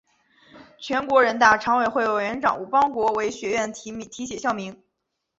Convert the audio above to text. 全国人大常委会委员长吴邦国为学院题写校名。